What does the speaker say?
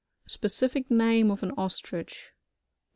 Specific name of an Ostrich.